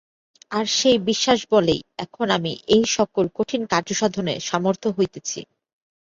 আর সেই বিশ্বাসবলেই এখন আমি এই-সকল কঠিন কার্যসাধনে সমর্থ হইতেছি।